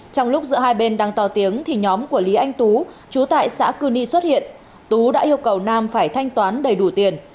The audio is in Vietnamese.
trong lúc giữa hai bên đang to tiếng thì nhóm của lý anh tú chú tại xã cư ni xuất hiện tú đã yêu cầu nam phải thanh toán đầy đủ tiền